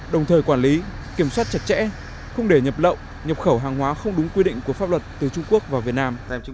đồng thời quản lý kiểm soát chặt chẽ không để nhập lậu nhập khẩu hàng hóa không đúng quy định của pháp luật từ trung quốc vào việt nam